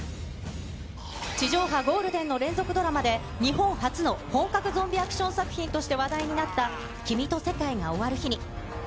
地上波ゴールデンの連続ドラマで、日本初の本格ゾンビアクション作品として話題になった、君と世界が終わる日に。